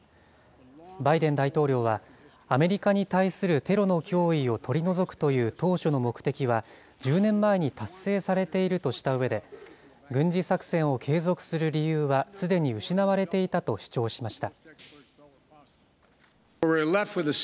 バイデン大統領は、アメリカに対するテロの脅威を取り除くという当初の目的は、１０年前に達成されているとしたうえで、軍事作戦を継続する理由はすでに失われていたと主張しました。